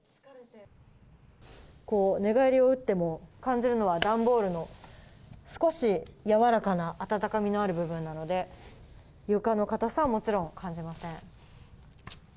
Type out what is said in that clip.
こう、寝返りを打っても、感じるのは、段ボールの少し柔らかな暖かみのある部分なので、床の硬さはもちろん感じません。